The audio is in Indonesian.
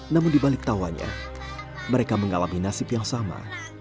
namun di balik tawanya mereka mengalami nasib yang sama